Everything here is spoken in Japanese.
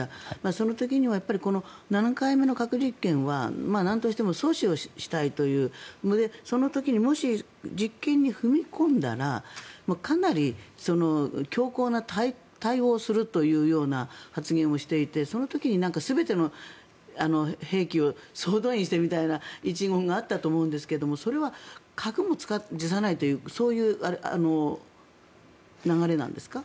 その時には７回目の核実験はなんとしても阻止をしたいというその時にもし実験に踏み込んだらかなり強硬な対応をするというような発言をしていてその時に全ての兵器を総動員してみたいな一言があったと思うんですがそれも核も辞さないというそういう流れなんですか？